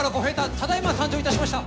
ただいま参上いたしました。